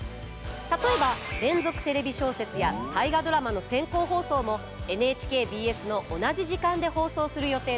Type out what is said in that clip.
例えば「連続テレビ小説」や「大河ドラマ」の先行放送もＮＨＫＢＳの同じ時間で放送する予定です。